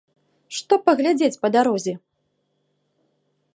Што паглядзець па дарозе?